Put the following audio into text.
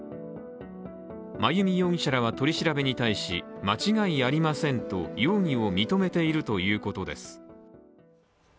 真由美容疑者らは取り調べに対し間違いありませんと容疑を認めているということです。